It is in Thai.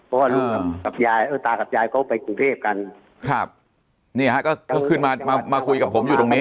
เพราะว่าลูกกับยายเออตากับยายเขาไปกรุงเทพกันครับนี่ฮะก็เขาขึ้นมามาคุยกับผมอยู่ตรงนี้